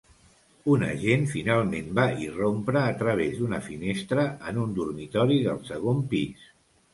Un agent finalment va irrompre a través d'una finestra en un dormitori del segon pis.